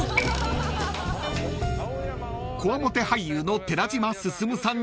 ［こわもて俳優の寺島進さんには］